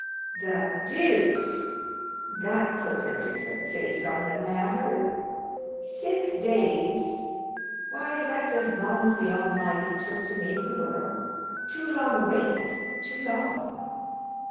"The deuce! That puts a different face on the matter. Six days! Why, that's as long as the Almighty took to make the world! Too long a wait—too long."